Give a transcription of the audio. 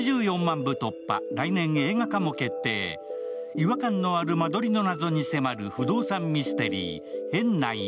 違和感のある間取りの謎に迫る不動産ミステリー。